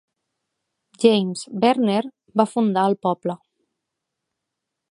James Verner va fundar el poble.